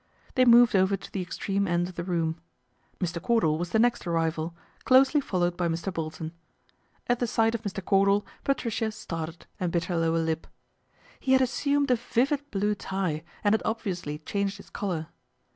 They moved over to the extreme end of the room. Mr. Cordal was the next arrival, closely followed by Mr. Bolton. At the sight of Mr. Cordal Patricia started PATRICIA'S REVENGE 69 and bit her lower lip. He had assumed a vivid blue tie, and had obviously changed his collar.